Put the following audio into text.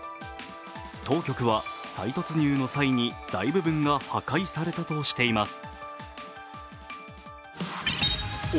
当局は再突入の際に大部分が破壊されたとしています。